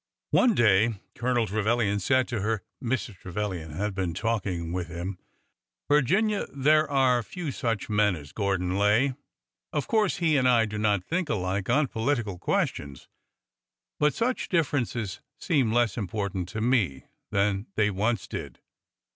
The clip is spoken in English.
One day Colonel Trevilian said to her (Mrs. Trevilian had been talking with him) : Virginia, there are few such young men as Gordon Lay. Of course, he and I do not think alike on political questions,— but such differences seem less important to me than they once did.